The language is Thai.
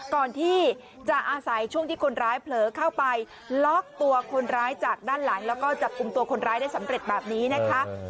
ก่อนที่จะอาศัยช่วงที่คนร้ายเผลอเข้าไปล็อกตัวคนร้ายจากด้านหลังแล้วก็จับกลุ่มตัวคนร้ายได้สำเร็จแบบนี้นะคะ